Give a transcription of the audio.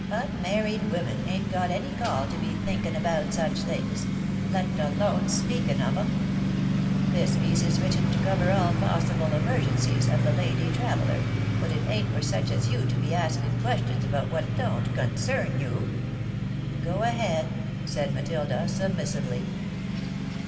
"Unmarried women ain't got any call to be thinkin' about such things, let alone speakin' of 'em. This piece is written to cover all possible emergencies of the lady traveller, but it ain't for such as you to be askin' questions about what don't concern you." [Sidenote: In the Morning] "Go ahead," said Matilda, submissively.